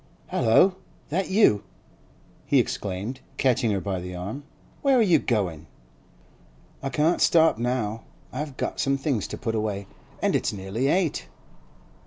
'Hallo! that you?' he exclaimed, catching her by the arm. 'Where are you going?' 'I can't stop now. I've got some things to put away, an' it's nearly eight.